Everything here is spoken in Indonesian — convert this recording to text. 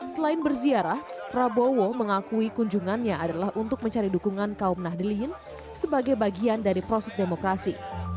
selain berziarah prabowo mengakui kunjungannya adalah untuk mencari dukungan kaum nahdilihin sebagai bagian dari proses demokrasi